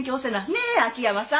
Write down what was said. ねえ秋山さん。